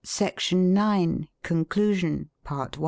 SECTION IX. CONCLUSION. PART I.